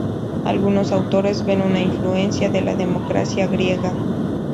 Algunos autores ven una influencia de la democracia griega.